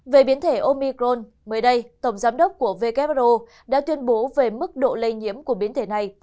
về biến thể omicrone mới đây tổng giám đốc của who đã tuyên bố về mức độ lây nhiễm của biến thể này